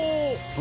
何？